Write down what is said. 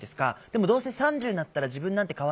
でもどうせ３０になったら自分なんて変わってるの。